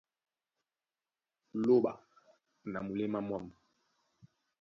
Lóɓa na muléma mwâm.